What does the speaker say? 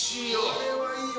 これはいいわ。